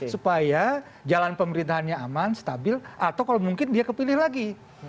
supaya jalan pemerintahannya aman stabil atau kalau mungkin dia kepilih lagi